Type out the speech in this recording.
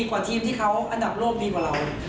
กว่าทีมที่เขาอันดับโลกดีกว่าเรา